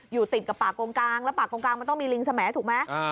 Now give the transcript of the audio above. อยู่ติดกับป่ากงกลางแล้วป่ากงกลางมันต้องมีลิงสมัยถูกไหม